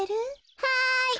はい。